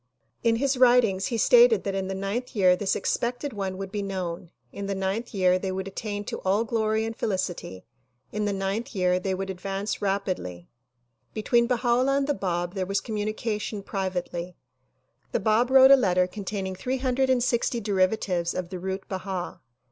In his writings he stated that in the ninth year this expected one would be known; in the ninth year they would attain to all glory and felicity; in the ninth year they would advance rapidly. Between Baha 'Ullah and the Bab 24 THE PROMULGATION OF UNIVERSAL PEACE there was eommnnieatioii privately. The Bab wrote a letter con taining three hundred and sixty derivatives of the root "Baha."